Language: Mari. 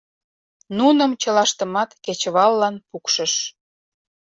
Нуным чылаштымат кечываллан пукшыш.